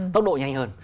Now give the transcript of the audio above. tốc độ nhanh hơn